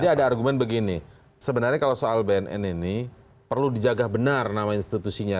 jadi ada argumen begini sebenarnya kalau soal bnn ini perlu dijaga benar nama institusinya